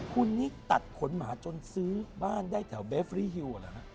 คุณนี่ตัดขนหมาจนซื้อบ้านได้แถวเบฟรีฮิวเหรอฮะ